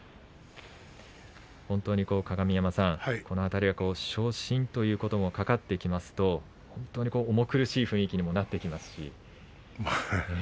鏡山さん、この辺りは昇進ということも懸かってきますと本当に重苦しい雰囲気にもなってきますし。